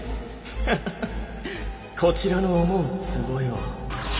ハハハッこちらの思うつぼよ。